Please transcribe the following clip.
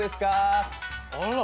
あら。